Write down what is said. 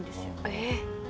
えっ？